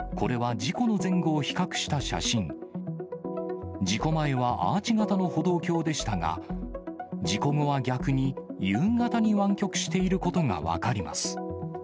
事故前はアーチ形の歩道橋でしたが、事故後は逆にＵ形に湾曲していることが分かります。